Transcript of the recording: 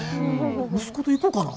息子と行こかな。